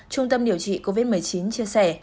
trung tâm điều trị covid một mươi chín chia sẻ